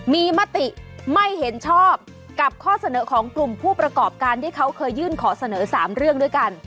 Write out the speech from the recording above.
มีมติไม่เห็นชอบกับข้อเสนอของกลุ่มผู้ประกอบการที่เขาเคยยื่นขอเสนอ๓เรื่องด้วยกัน